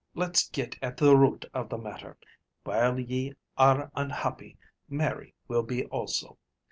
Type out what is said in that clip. Let's get at the root of the matter. While ye are unhappy, Mary will be also.